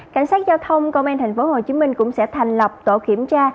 cảnh sát giao thông công an tp hcm cũng sẽ thành lập tổ kiểm tra